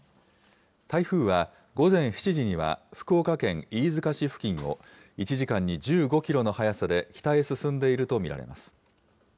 台風は午前７時には、福岡県飯塚市付近を、１時間に１５キロの速さで北へ進んでいるものと見られます。